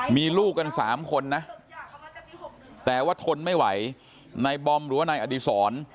มีลูกกันสามคนนะแต่ว่าทนไม่ไหวนายบอมหรือว่านายอดีศร